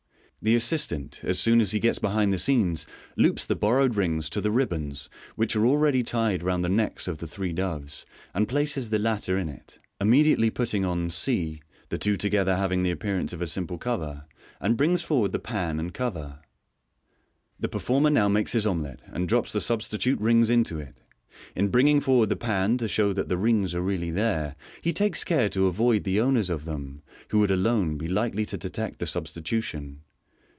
The assistant, as soon as he gets behind the scenes, loops the borrowed rinas to the Fig. 233. 400 MODERN MAGIC. ribbons, which are already tied round the necks of the three doves, and places the latter in I, immediately putting on c (the two together having the appearance of a simple cover), and brings forward the pan and cover. The performer now makes his omelet, and drops the substitute rings into it. In bringing forward the pan to show that the rings are really there, he takes care to avoid the owners of them, who would alone be likely to detect the substitution.